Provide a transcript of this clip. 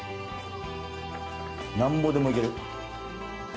なんぼでもいける！